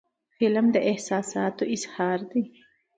فلم د احساساتو اظهار دی